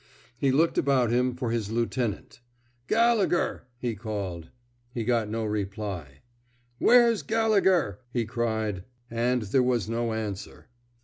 He looked about him for his lieutenant. Gallegher! '^ he called. He got no reply. Where's Gallegher? he cried. And there was no answer.